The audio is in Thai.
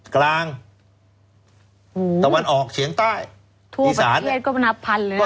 กลางอู๋แต่วันออกเฉียงใต้ทั่วประเทศก็มันนับพันหรือนะ